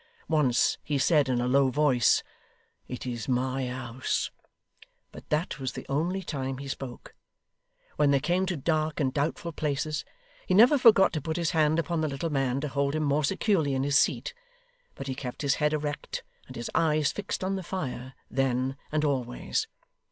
Once he said in a low voice, 'It is my house,' but that was the only time he spoke. When they came to dark and doubtful places, he never forgot to put his hand upon the little man to hold him more securely in his seat, but he kept his head erect and his eyes fixed on the fire, then, and always.